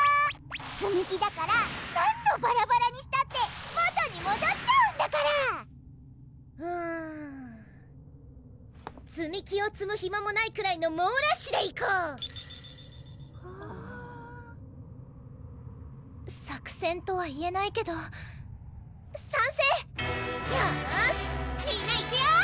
つみ木だから何度ばらばらにしたって元にもどっちゃうんだからうんつみ木をつむ暇もないくらいの猛ラッシュでいこう作戦とはいえないけど賛成よしみんないくよ！